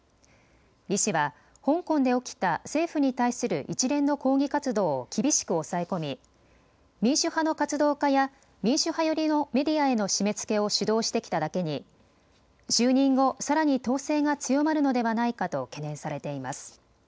李氏は香港で起きた政府に対する一連の抗議活動を厳しく抑え込み民主派の活動家や民主派寄りのメディアへの締めつけを主導してきただけに就任後、さらに統制が強まるのではないかと懸念されています。